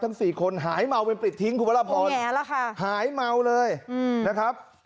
สี่คนหายเมาเป็นปริดทิ้งคุณพระราพรหายเมาเลยนะครับ